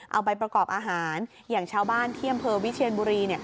เอาไปประกอบอาหารอย่างชาวบ้านที่อำเภอวิเชียนบุรี